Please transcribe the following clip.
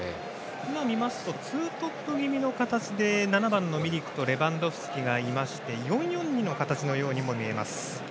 今見ますとツートップ気味の形で７番のミリクとレバンドフスキがいまして４−４−２の形のように見えます。